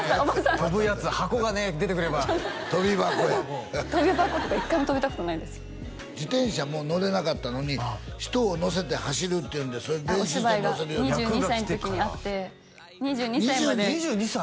とぶやつ箱がね出てくればとび箱やとび箱とか一回もとべたことないんです自転車も乗れなかったのに人を乗せて走るっていうんでお芝居が２２歳の時にあって２２歳まで２２歳？